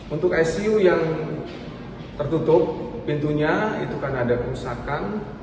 untuk icu yang tertutup pintunya itu kan ada kerusakan